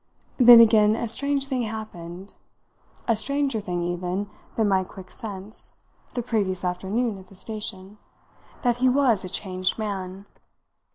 Then again a strange thing happened, a stranger thing even than my quick sense, the previous afternoon at the station, that he was a changed man.